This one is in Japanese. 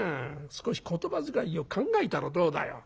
少し言葉遣いを考えたらどうだよ？